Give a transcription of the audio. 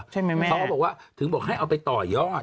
เขาก็บอกว่าถึงบอกให้เอาไปต่อยอด